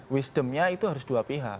wisdomnya itu harus dua pihak